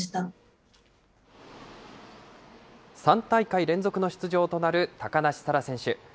３大会連続の出場となる高梨沙羅選手。